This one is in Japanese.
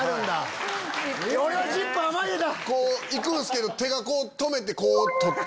こう行くんすけど手がこう止めてこう取って。